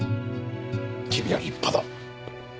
君は立派だ。